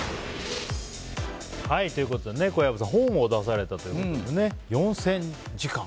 ということで、小籔さん本を出されたということで４０００時間。